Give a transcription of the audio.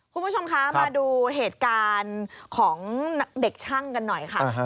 คุณผู้ชมคะมาดูเหตุการณ์ของเด็กช่างกันหน่อยค่ะ